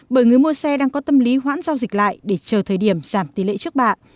bởi người mua xe đang có tâm lý hoãn giao dịch lại để chờ thời điểm giảm tỷ lệ trước bạ